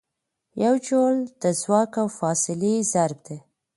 یو جول د ځواک او فاصلې ضرب دی.